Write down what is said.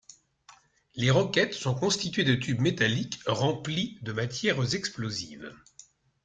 Les roquettes sont constituées de tubes métalliques remplis de matières explosives.